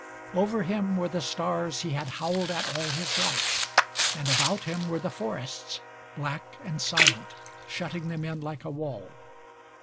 Over him were the stars he had howled at all his life, and about him were the forests, black and silent, shutting them in like a wall.